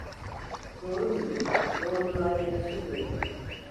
Doğru muydu, doğruluğa yaraşır mıydı?